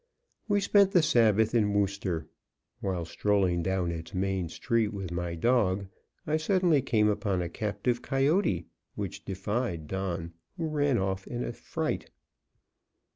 We spent the Sabbath in Wooster. While strolling down its main street with my dog, I suddenly came upon a captive coyote, which defied Don, who ran off in a fright.